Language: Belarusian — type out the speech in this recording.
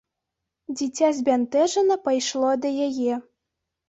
Дзіця збянтэжана пайшло да яе.